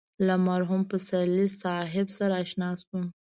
له مرحوم پسرلي صاحب سره اشنا شوم.